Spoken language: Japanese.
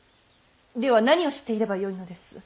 では何をしていればよいのです。